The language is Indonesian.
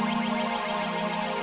istrinya padahal kok bisa di logik